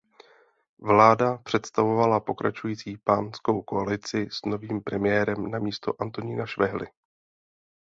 Vláda představovala pokračující panskou koalici s novým premiérem namísto Antonína Švehly.